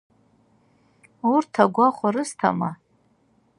Урҭ агәахәа рысҭама?